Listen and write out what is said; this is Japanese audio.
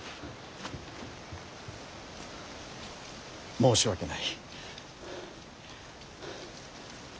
申し訳ない。